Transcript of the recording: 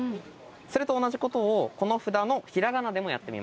それと同じことをこの札の平仮名でもやってみます。